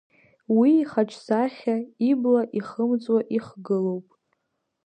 Уи ихаҿсахьа ибла ихымҵуа ихгылоуп…